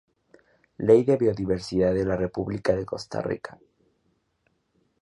Ley de Biodiversidad de la República de Costa Rica.